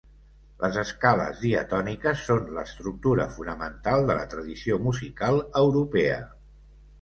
Les escales diatòniques són l'estructura fonamental de la tradició musical europea.